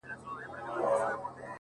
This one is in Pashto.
اوس د شپې سوي خوبونه زما بدن خوري-